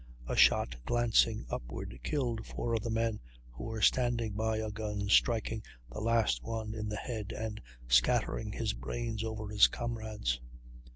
A shot, glancing upward, killed four of the men who were standing by a gun, striking the last one in the head and scattering his brains over his comrades.